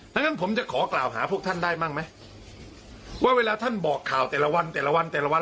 ดังนั้นผมจะขอกล่าวหาพวกท่านได้บ้างไหมว่าเวลาท่านบอกข่าวแต่ละวันแต่ละวันแต่ละวัน